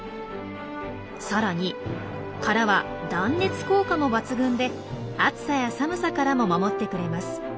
さらに殻は断熱効果も抜群で暑さや寒さからも守ってくれます。